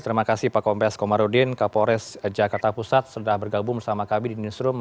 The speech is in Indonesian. terima kasih pak kompes komarudin kapolres jakarta pusat sudah bergabung bersama kami di newsroom